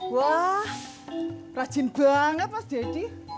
wah rajin banget mas deddy